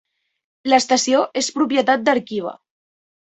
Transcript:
L'estació és propietat d'Arqiva.